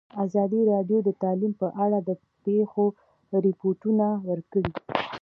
ازادي راډیو د تعلیم په اړه د پېښو رپوټونه ورکړي.